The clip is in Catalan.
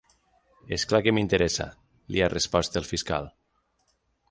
És clar que m’interessa, li ha respost el fiscal.